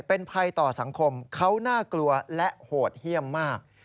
เป็นภัยต่อสังคมเขาน่ากลัวและโหดเยี่ยมมาก